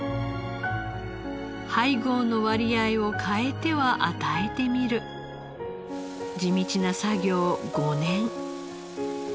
配合の割合を変えては与えてみる地道な作業を５年。